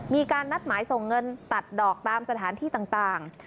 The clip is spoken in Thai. มีการนัดหมายส่งเงินตัดดอกตามสถานที่ต่าง